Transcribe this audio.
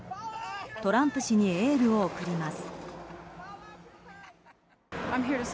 トランプ氏にエールを送ります。